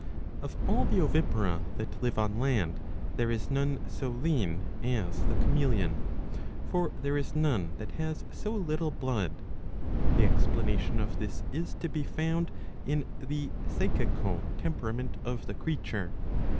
Of all the ovipara that live on land there is none so lean as the Chartiaeleon.2'' For there is none that has so little blood. The explanation of this is to be found in the psychical temperament of the creature.